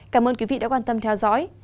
cảm ơn quý vị đã quan tâm theo dõi